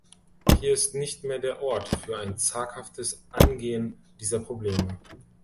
Hier ist nicht mehr der Ort für ein zaghaftes Angehen dieser Probleme.